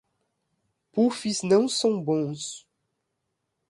Puffs não são bons